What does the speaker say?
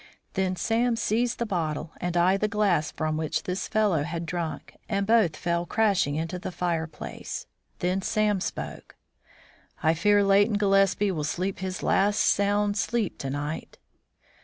Then Sam seized the bottle and I the glass from which this fellow had drunk, and both fell crashing into the fireplace. Then Sam spoke: "I fear Leighton Gillespie will sleep his last sound sleep to night."